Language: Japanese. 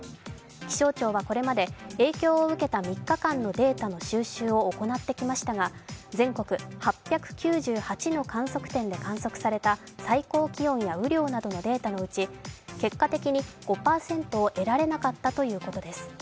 気象庁はこれまで、影響を受けた３日間のデータの収集を行ってきましたが、全国８９８の観測点で観測された最高気温や雨量などのデータのうち結果的に５％を得られなかったということです。